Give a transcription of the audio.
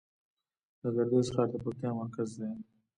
د ګردیز ښار د پکتیا مرکز دی